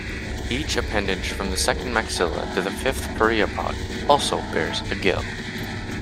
Each appendage from the second maxilla to the fifth pereiopod also bears a gill.